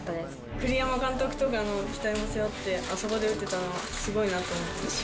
栗山監督とかの期待も背負って、あそこで打てたのはすごいなと思いました。